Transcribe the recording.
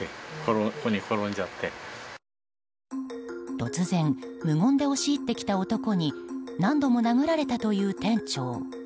突然無言で押し入ってきた男に何度も殴られたという店長。